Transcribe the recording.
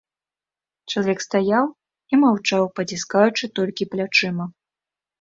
Чалавек стаяў і маўчаў, паціскаючы толькі плячыма.